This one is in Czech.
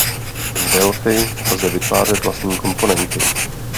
V Delphi lze vytvářet vlastní komponenty.